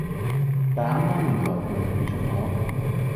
大坑光明臺附近有無中學？